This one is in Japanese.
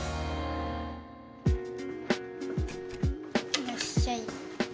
いらっしゃい。